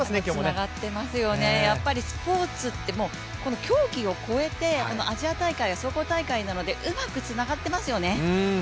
つながってますよね、やっぱりスポーツって競技を超えてアジア大会は総合大会なのでうまくつながってますよね。